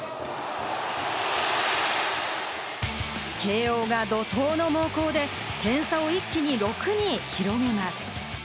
慶應が怒涛の猛攻で、点差を一気に６に広げます。